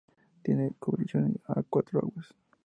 Tiene cubrición a cuatro aguas.